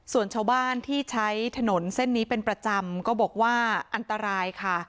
ส่วนชาวบ้านที่ใช้ถนนเส้นนี้เป็นประจำก็บอกว่าอันตรายค่ะ